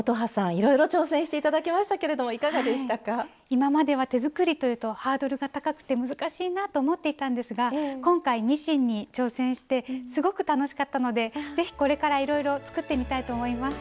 今までは手作りというとハードルが高くて難しいなと思っていたんですが今回ミシンに挑戦してすごく楽しかったのでぜひこれからいろいろ作ってみたいと思います。